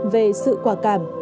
về sự quả cảm